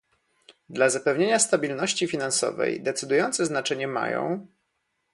Dla zapewnienia stabilności finansowej decydujące znaczenie mają